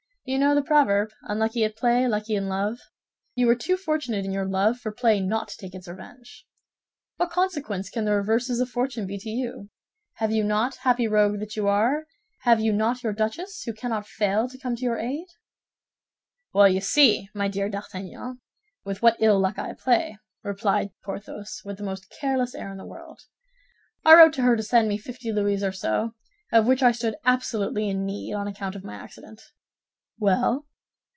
"You know the proverb 'Unlucky at play, lucky in love.' You are too fortunate in your love for play not to take its revenge. What consequence can the reverses of fortune be to you? Have you not, happy rogue that you are—have you not your duchess, who cannot fail to come to your aid?" "Well, you see, my dear D'Artagnan, with what ill luck I play," replied Porthos, with the most careless air in the world. "I wrote to her to send me fifty louis or so, of which I stood absolutely in need on account of my accident." "Well?"